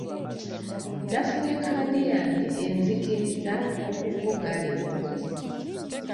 Nafunye kaadi yange enzikiriza okuvuga leero.